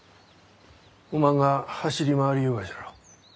おまんが走り回りゆうがじゃろ？